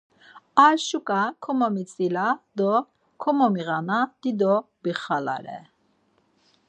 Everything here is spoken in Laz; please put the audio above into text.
Ar şuǩa komemitzila do komomiğnana dido bixelare.